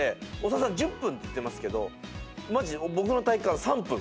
長田さん１０分って言ってますけどマジで僕の体感。